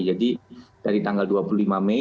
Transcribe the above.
jadi dari tanggal dua puluh lima mei